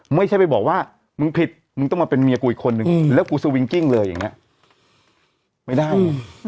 ไม่ใช่ไปบอกว่ามึงผิดมึงต้องมาเป็นเมียกูอีกคนนึงแล้วกูสวิงกิ้งเลยอย่างนี้ไม่ได้